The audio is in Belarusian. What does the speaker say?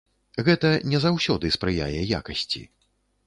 Гэта не заўсёды спрыяе якасці.